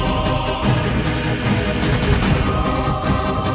aku akan menghabisimu papa